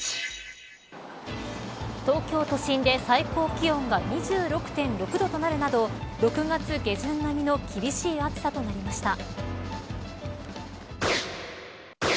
東京都心で最高気温が２６．６度となるなど６月下旬並みの厳しい暑さとなりました。